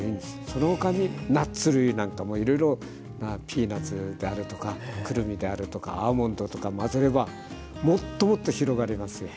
その他にナッツ類なんかもいろいろピーナツであるとかくるみであるとかアーモンドとか混ぜればもっともっと広がりますよ。